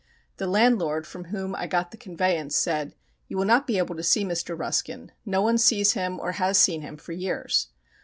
The landlord from whom I got the conveyance said, "You will not be able to see Mr. Ruskin. No one sees him or has seen him for years."